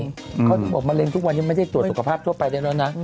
เขาถึงบอกมะเร็งทุกวันนี้ไม่ได้ตรวจสุขภาพทั่วไปได้แล้วนะ